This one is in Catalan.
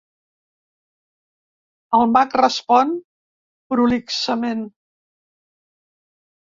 El mag respon prolixament.